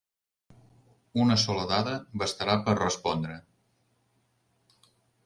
Una sola dada bastarà per respondre.